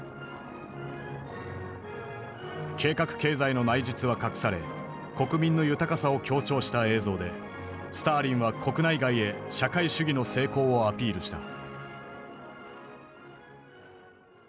計画経済の内実は隠され国民の豊かさを強調した映像でスターリンは国内外へ社会主義の成功をアピールした。